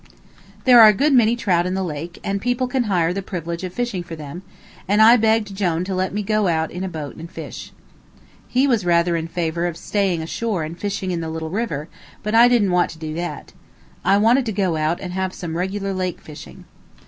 There are a good many trout in the lake, and people can hire the privilege of fishing for them; and I begged Jone to let me go out in a boat and fish. He was rather in favor of staying ashore and fishing in the little river, but I didn't want to do that. I wanted to go out and have some regular lake fishing.